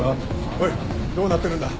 おいどうなってるんだ？